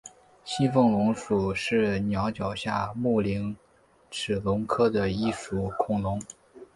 西风龙属是鸟脚下目棱齿龙科的一属恐龙。